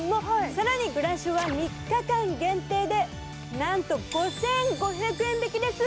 更にブラショは３日間限定でなんと５５００円引きです。